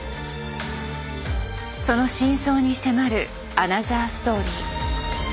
その真相に迫るアナザーストーリー。